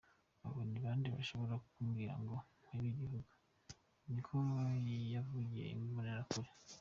"Abo ni bande bashobora kumbwira ngo mpebe igihugu?", niko yavugiye ku mbonerakure.